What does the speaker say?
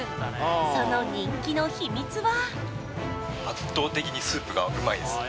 その人気の秘密は？